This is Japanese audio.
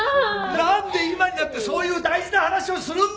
なんで今になってそういう大事な話をするんだよ！